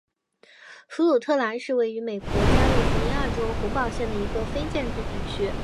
弗鲁特兰是位于美国加利福尼亚州洪堡县的一个非建制地区。